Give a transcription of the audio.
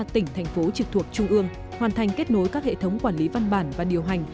ba mươi tỉnh thành phố trực thuộc trung ương hoàn thành kết nối các hệ thống quản lý văn bản và điều hành